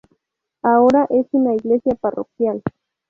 Ahora es una iglesia parroquial.